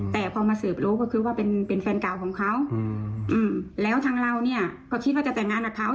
แต่พอมาสืบรู้ก็คือว่าเป็นแฟนเก่าของเขาแล้วทางเราเนี่ยก็คิดว่าจะแต่งงานกับเขา